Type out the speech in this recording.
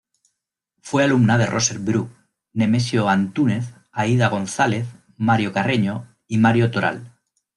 Fue alumna de Roser Bru, Nemesio Antúnez, Aída González, Mario Carreño y Mario Toral.